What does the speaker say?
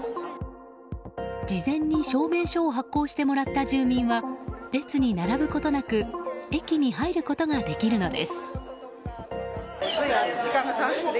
事前に証明書を発行してもらった住民は列に並ぶことなく駅に入ることができるのです。